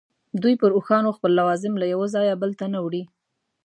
دوی پر اوښانو خپل لوازم له یوه ځایه بل ته نه وړي.